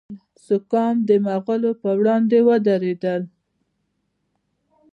سکام د مغولو پر وړاندې ودریدل.